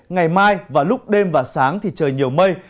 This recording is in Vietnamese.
ngày mai và lúc đêm và sáng thì trời nhiều mây